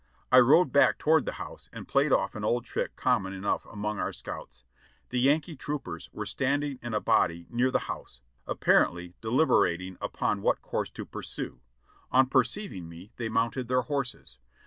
I rode back toward the house and played off an old trick common enough among our scouts. The Yankee troopers were standing in a body near the house, apparently deliberating upon what course to pursue ; on perceiving me, they mounted their horses.